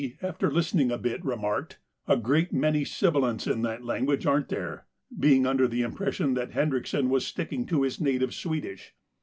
after listening a bit, remarked, 'A great many sibilants in that language, aren't there?' being under the impression that Hendrickson was sticking to his native Swedish.